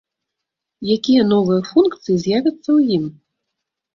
Якія новыя функцыі з'явяцца ў ім?